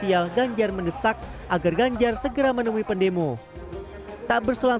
walaupun gini warga warga itu segera dialognya itu tidak semen hari ini